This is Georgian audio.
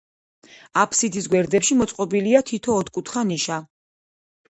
აფსიდის გვერდებში მოწყობილია თითო ოთხკუთხა ნიშა.